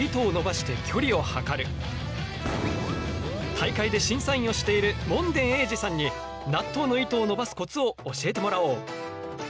大会で審査員をしている門傳英慈さんに納豆の糸を伸ばすコツを教えてもらおう！